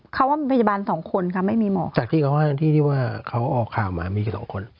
เขาว่ามีพยาบาลสองคนค่ะไม่มีหมอกจากที่เขาให้ที่ที่ว่าเขาออกข่าวมามีกันสองคน